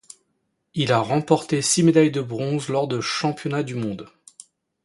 Il a remporté six médailles de bronze lors de championnats du monde.